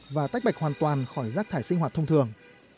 và tách bạch hoàn toàn khỏi rác thải sinh hoạt thông thường